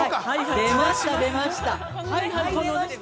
出ました出ました。